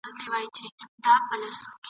د رنګونو وېش یې کړی په اوله ورځ سبحان ..